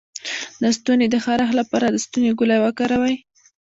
د ستوني د خارش لپاره د ستوني ګولۍ وکاروئ